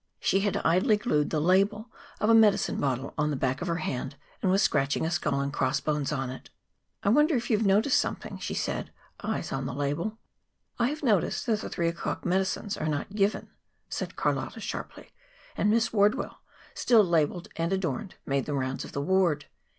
She had idly glued the label of a medicine bottle on the back of her hand, and was scratching a skull and cross bones on it. "I wonder if you have noticed something," she said, eyes on the label. "I have noticed that the three o'clock medicines are not given," said Carlotta sharply; and Miss Wardwell, still labeled and adorned, made the rounds of the ward.